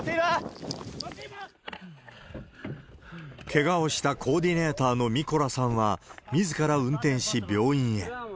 けがをしたコーディネーターのミコラさんは、みずから運転し、病院へ。